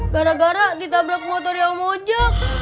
gara gara ditabrak motor yang mojo